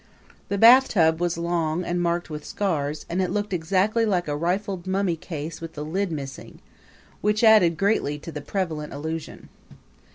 The bathtub was long and marked with scars, and it looked exactly like a rifled mummy case with the lid missing, which added greatly to the prevalent illusion.